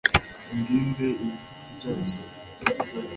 undinde ibitutsi by'abasazi